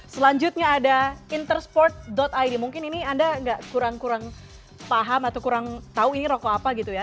selanjutnya ada intersport id mungkin ini anda kurang kurang paham atau kurang tahu ini rokok apa gitu ya